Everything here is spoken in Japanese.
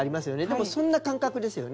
でもそんな感覚ですよね。